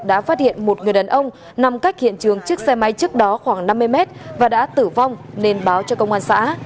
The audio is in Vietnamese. đã phát hiện một người đàn ông nằm cách hiện trường chiếc xe máy trước đó khoảng năm mươi mét và đã tử vong nên báo cho công an xã